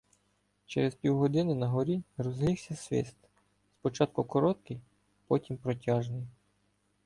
Через півгодини на горі розлігся свист — спочатку короткий, потім протяжний.